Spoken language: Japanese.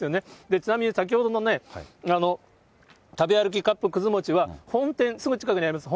ちなみに先ほどの食べ歩きカップくず餅は、本店、すぐ近くにあります